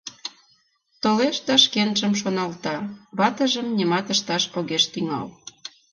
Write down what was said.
Толеш да шкенжым шоналта, ватыжым нимат ышташ огеш тӱҥал.